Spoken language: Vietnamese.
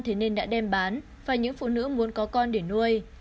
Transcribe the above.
thế nên đã đem bán và những phụ nữ muốn có con để nuôi